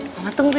mama tunggu ya